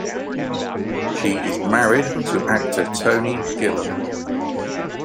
She is married to actor Tony Gillan.